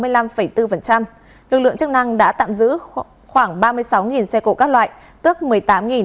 lực lượng chức năng đã tạm giữ khoảng ba mươi sáu xe cộ các loại